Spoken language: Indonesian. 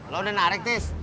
lu udah narik tis